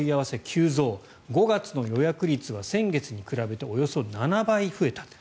急増５月の予約率が先月に比べておよそ７倍増えたと。